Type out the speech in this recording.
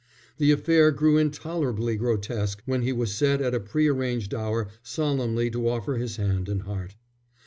The affair grew intolerably grotesque when he was set at a pre arranged hour solemnly to offer his hand and heart.